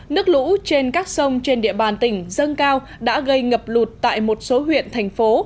nước lũ trên các sông trên địa bàn tỉnh dâng cao đã gây ngập lụt tại một số huyện thành phố